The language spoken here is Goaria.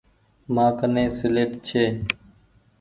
مآڪني سيليٽ ڇي۔